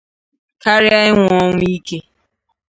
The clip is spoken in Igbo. karịa ịnwụ ọnwụ ike